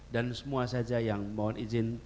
dan semua saja yang mohon izin